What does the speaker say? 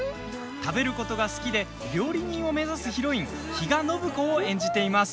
食べることが好きで料理人を目指すヒロイン比嘉暢子を演じています。